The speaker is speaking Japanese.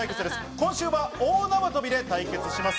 今週は大縄跳びで対決します。